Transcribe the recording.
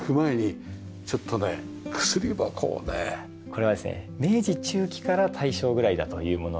これはですね明治中期から大正ぐらいだというもので。